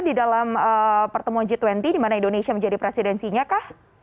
di dalam pertemuan g dua puluh di mana indonesia menjadi presidensinya kah